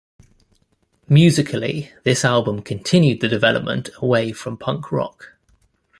Musically this album continued the development away from punk rock.